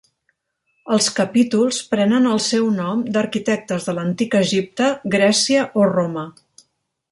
Els capítols prenen el seu nom d'arquitectes de l'antic Egipte, Grècia o Roma.